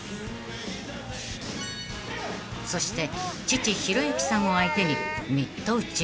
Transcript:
［そして父弘幸さんを相手にミット打ち］